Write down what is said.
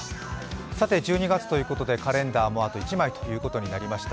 さて１２月ということでカレンダーもあと１枚となりました。